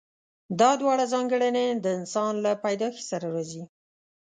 دا دواړه ځانګړنې د انسان له پيدايښت سره راځي.